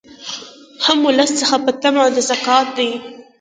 هم ولس څخه په طمع د زکات دي